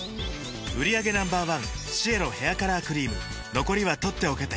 売上№１シエロヘアカラークリーム残りは取っておけて